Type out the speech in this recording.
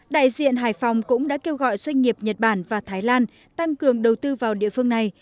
đại diện hải phòng cũng đã kêu gọi doanh nghiệp nhật bản và thái lan tăng cường đầu tư vào địa phương này